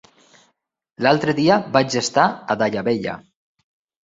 L'altre dia vaig estar a Daia Vella.